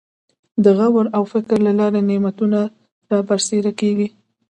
د غور او فکر له لارې نعمتونه رابرسېره کېږي.